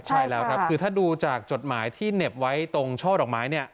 ใช่แล้วครับคือถ้าดูจากจดหมายที่เหน็บไว้ตรงช่อดอกไม้เนี่ย